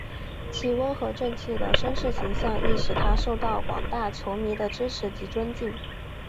其温和正气的绅士形象亦使他受到广大球迷的支持及尊敬。